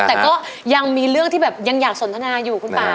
แต่ก็ยังมีเรื่องที่แบบยังอยากสนทนาอยู่คุณป่า